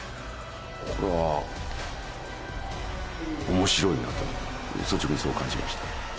これは面白いなという率直にそう感じました。